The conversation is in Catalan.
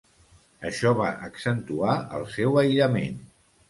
Això va accentuar el seu aïllament.